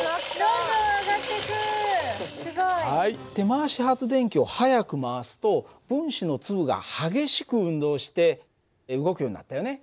手回し発電機を速く回すと分子の粒が激しく運動して動くようになったよね。